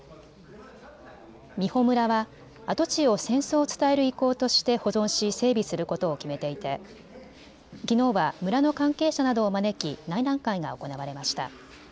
美浦村は跡地を戦争を伝える遺構として保存し整備することを決めていてきのうは村の関係者などを招き内覧会が行われました。